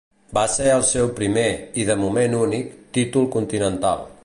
Va ser el seu primer i, de moment únic, títol continental.